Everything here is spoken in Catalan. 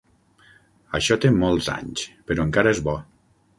Això té molts anys, però encara és bo.